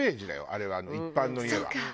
あれは一般の家は。